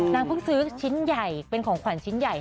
นางเพิ่งซื้อชิ้นใหญ่เป็นของขวัญชิ้นใหญ่